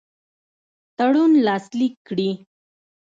تړون لاسلیک کړي.